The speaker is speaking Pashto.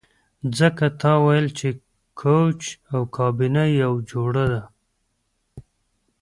ځکه تا ویل چې کوچ او کابینه یوه جوړه ده